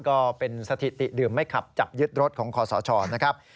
ก็เป็นสถิติดื่มไม่ขับจับยึดรถของคอสชนะครับ